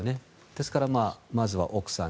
ですから、まずは奥さん。